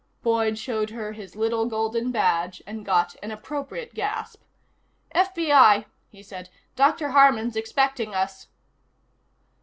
Boyd showed her his little golden badge, and got an appropriate gasp. "FBI," he said. "Dr. Harman's expecting us."